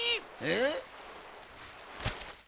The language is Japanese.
えっ。